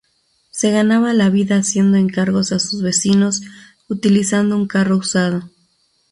Se ganaba la vida haciendo encargos a sus vecinos utilizando un carro usado.